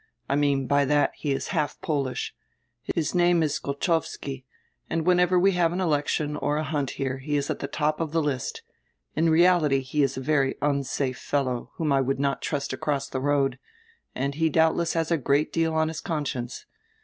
I mean by diat, he is half Polish. His name is Golchowski, and whenever we have an election or a hunt here, he is at die top of die list. In reality he is a very unsafe fellow, whom I would not trust across die road, and he doubdess has a great deal on his conscience.